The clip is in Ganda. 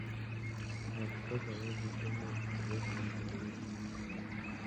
Abakazi abavuddemu embuto bakubirizibwa okunywa kamunye.